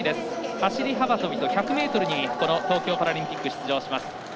走り幅跳びと１００ｍにこの東京パラリンピック出場します。